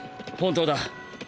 本当だ。